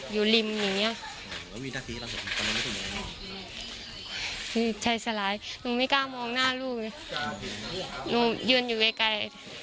อยู่ริมอยู่นี้